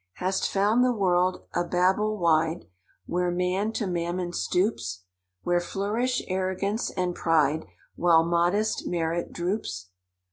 "Hast found the world a Babel wide, Where man to mammon stoops? Where flourish arrogance and pride, While modest merit droops?